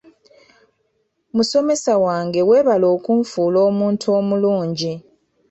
Musomesa wange weebale okunfuula omuntu omulungi.